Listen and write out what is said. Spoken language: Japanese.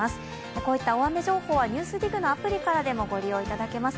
こういった大雨情報は「ＮＥＷＳＤＩＧ」のアプリからでもご利用いただけます。